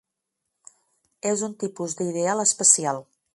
És un tipus d'ideal especial.